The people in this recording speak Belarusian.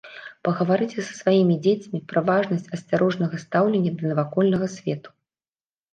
Пагаварыце са сваімі дзецьмі пра важнасць асцярожнага стаўлення да навакольнага свету.